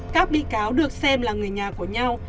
các bị cáo được xem là người nhà của nhau